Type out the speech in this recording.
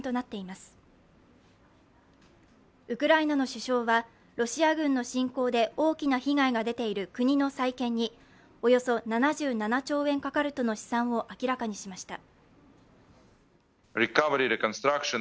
ウクライナの首相はロシア軍の侵攻で大きな被害が出ている国の再建におよそ７７兆円かかるとの試算を明らかにしました。